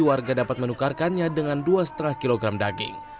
warga dapat menukarkannya dengan dua lima kg daging